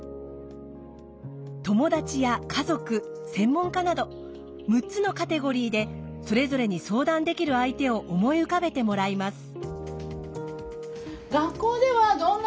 友達や家族専門家など６つのカテゴリーでそれぞれに相談できる相手を思い浮かべてもらいます。